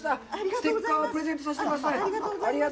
ステッカーをプレゼントさせてください。